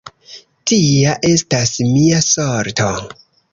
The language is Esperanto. Tia estas mia sorto!